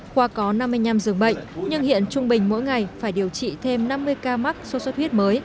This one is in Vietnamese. khoa có năm mươi năm giường bệnh nhưng hiện trung bình mỗi ngày phải điều trị thêm năm mươi ca mắc sốt xuất huyết mới